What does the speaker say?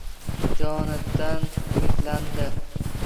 Jonatan umidlandi